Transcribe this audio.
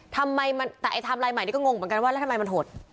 ทำไมแต่ไอไทม์ไลน์ใหม่นี่ก็งงเหมือนกันว่าแล้วทำไมมันหด